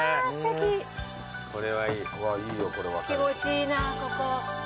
気持ちいいなここ。